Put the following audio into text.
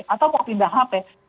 atau mau pindah handphone